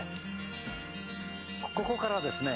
ここからですね